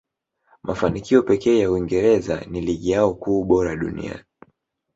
mafanikio pekee ya uingereza ni ligi yao kuwa bora dunia